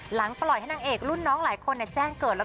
หลังปร่อยให้นางเอกรุ่นน้องหลายคนแจ้งเกิด